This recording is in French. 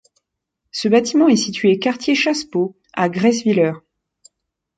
Ce bâtiment est situé quartier Chassepot à Gresswiller.